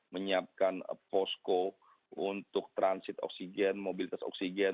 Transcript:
menyiapkan posko untuk transit oksigen mobilitas oksigen